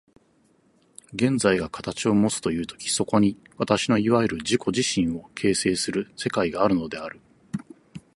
現在が形をもつという時、そこに私のいわゆる自己自身を形成する世界があるのである。